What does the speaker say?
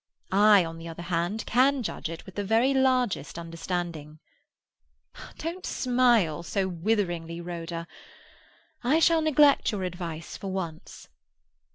I, on the other hand, can judge it with the very largest understanding. Don't smile so witheringly, Rhoda. I shall neglect your advice for once."